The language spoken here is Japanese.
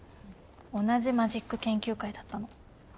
同じマジック研究会だったの。